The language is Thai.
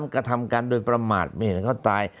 ๓กระทำการโดยประมาทเป็นเหตุที่เขาตาย